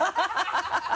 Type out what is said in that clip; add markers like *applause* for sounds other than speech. ハハハ *laughs*